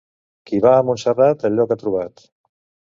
Qui va a Montserrat el lloc ha trobat.